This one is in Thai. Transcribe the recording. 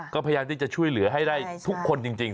ก็พยายามที่จะช่วยเหลือให้ได้ทุกคนจริง